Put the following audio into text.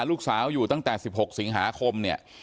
ลูกสาวอยู่ตั้งแต่๑๖สิงหาคมเนี่ย